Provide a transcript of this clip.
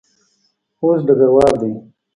اوس ډګروال دی.